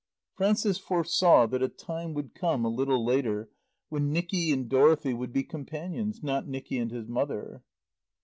Frances foresaw that a time would come, a little later, when Nicky and Dorothy would be companions, not Nicky and his mother.